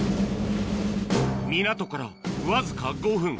港からわずか５分